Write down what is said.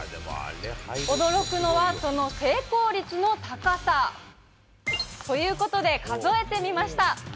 驚くのはその成功率の高さ。ということで、数えてみました。